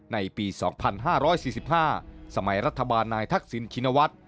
ในปี๒๕๔๕สมัยรัฐบาลนายทักษิณชินวัฒน์